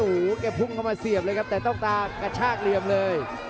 โอ้โหแกพุ่งเข้ามาเสียบเลยครับแต่ต้องตากระชากเหลี่ยมเลย